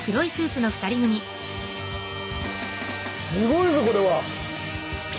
すごいぞこれは！